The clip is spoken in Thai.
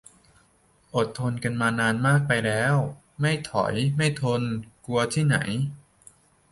อดทนกันมานานมากไปแล้ว ไม่ถอยไม่ทน กลัวที่ไหน